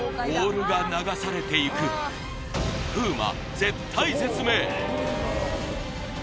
オールが流されていく風磨絶体絶命